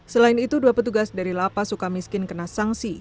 selain itu dua petugas dari lapas sukamiskin kena sanksi